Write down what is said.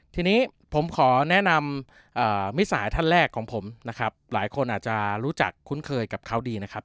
ทีนี้ผมขอแนะนำมิสัยท่านแรกของผมนะครับหลายคนอาจจะรู้จักคุ้นเคยกับเขาดีนะครับ